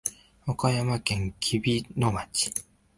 和歌山県紀美野町